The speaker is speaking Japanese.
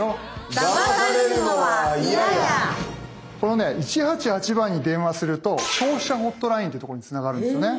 このね１８８番に電話すると消費者ホットラインっていうとこにつながるんですよね。